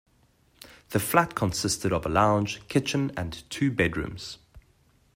The flat consisted of a lounge, kitchen and two bedrooms.